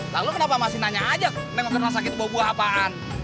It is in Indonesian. lalu kenapa masih nanya aja memang kena sakit bawa buah apaan